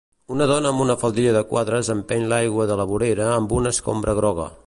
una dona amb una faldilla de quadres empeny l'aigua de la vorera amb una escombra groga.